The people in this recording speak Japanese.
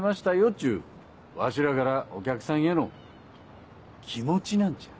っちゅうわしらからお客さんへの気持ちなんちゃ。